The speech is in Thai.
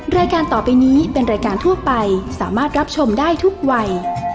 รายการต่อไปนี้เป็นรายการทั่วไปสามารถรับชมได้ทุกวัย